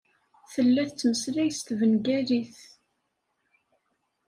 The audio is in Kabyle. Tella tettmeslay s tbengalit.